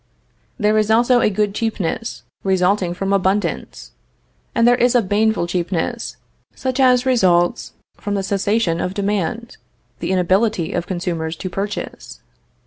There is also a good cheapness, resulting from abundance. And there is a baneful cheapness such as results from the cessation of demand, the inability of consumers to purchase.